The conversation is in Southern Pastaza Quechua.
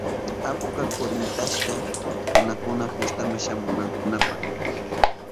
Apuka kurmitashka runakuna fiestama shamunankunapa.